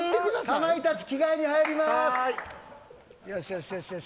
かまいたち着替えに入ります。